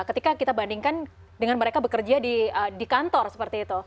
ketika kita bandingkan dengan mereka bekerja di kantor seperti itu